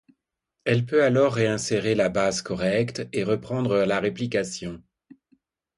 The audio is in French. Elle peut alors réinsérer la base correcte, et reprendre la réplication.